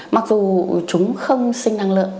mặc dù chúng không sinh năng lượng